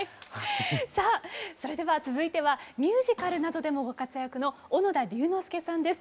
さあそれでは続いてはミュージカルなどでもご活躍の小野田龍之介さんです。